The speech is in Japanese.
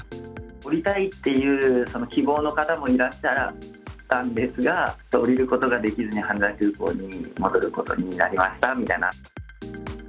降りたいっていう希望の方もいらっしゃったんですが、降りることができずに、羽田空港に戻ることになりましたみたいな。